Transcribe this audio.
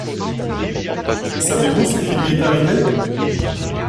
Savez-vous ce qui lui est arrivé ?